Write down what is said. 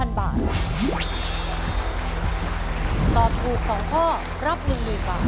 ตอบถูก๒ข้อรับ๑๐๐๐บาท